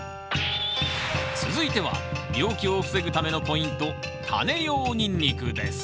続いては病気を防ぐためのポイントタネ用ニンニクです